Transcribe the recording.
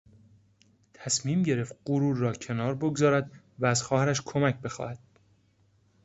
تصمیم گرفت غرور را کنار بگذارد و از خواهرش کمک بخواهد.